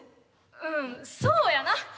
うんそうやな。